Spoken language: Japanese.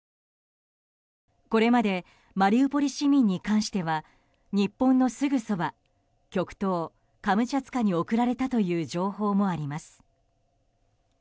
これまでマリウポリ市民に関しては日本のすぐそば極東カムチャツカに送られたという情報もあります。